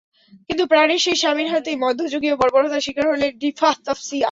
কিন্তু প্রাণের সেই স্বামীর হাতেই মধ্যযুগীয় বর্বরতার শিকার হলেন রিফাহ তাসফিয়া।